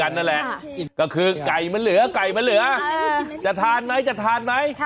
คนไดยังไม่หยุดจะมาทำเล่นนะ